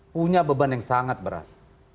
punya beban yang sangat berat